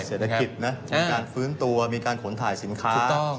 เศรษฐกิจนะมีการฟื้นตัวมีการขนถ่ายสินค้า